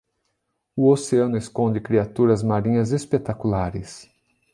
O oceano esconde criaturas marinhas espetaculares